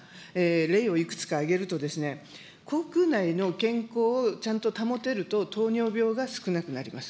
例をいくつか挙げると、口くう内の健康をちゃんと保てると、糖尿病が少なくなります。